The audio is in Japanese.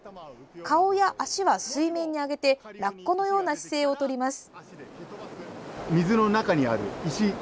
顔や足は水面に上げてラッコのような姿勢を取ります。